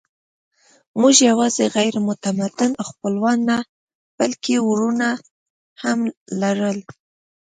موږ یواځې غیر متمدن خپلوان نه، بلکې وروڼه هم لرل.